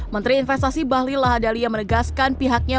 menteri investasi bahlilahadalia menegaskan pihaknya